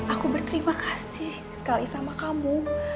aku berterima kasih sekali sama kamu